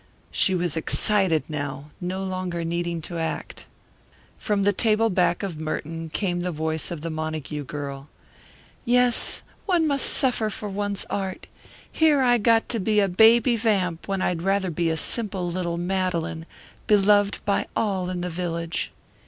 She was excited now, no longer needing to act. From the table back of Merton came the voice of the Montague girl: "Yes, one must suffer for one's art. Here I got to be a baby vamp when I'd rather be simple little Madelon, beloved by all in the village."